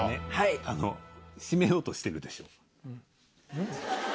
締めようとしてるでしょ。